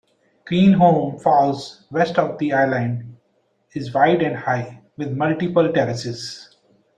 Kreenholm Falls, west of the island, is wide and high with multiple terraces.